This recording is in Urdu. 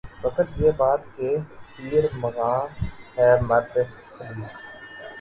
فقط یہ بات کہ پیر مغاں ہے مرد خلیق